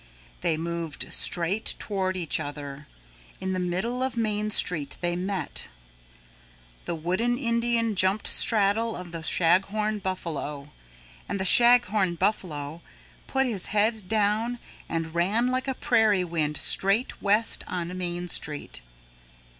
They moved straight toward each other. In the middle of Main Street they met. The Wooden Indian jumped straddle of the Shaghorn Buffalo. And the Shaghorn Buffalo put his head down and ran like a prairie wind straight west on Main Street.